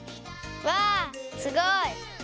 わあすごい！